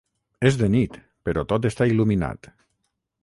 És de nit, però tot està il·luminat.